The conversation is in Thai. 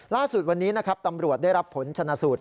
ล่าสุดวันนี้นะครับตำรวจได้รับผลชนะสูตร